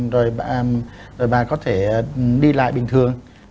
rồi bạn có thể đi lại bình thường